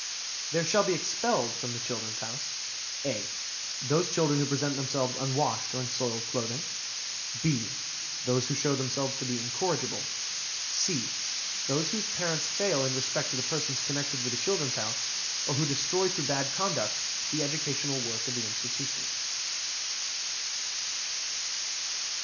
There shall be expelled from the "Children's House": (a) Those children who present themselves unwashed, or in soiled clothing. (b) Those who show themselves to be incorrigible. (c) Those whose parents fail in respect to the persons connected with the "Children's House", or who destroy through bad conduct the educational work of the institution.